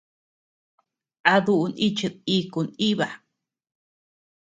¿A duʼu nichid iku nʼiba?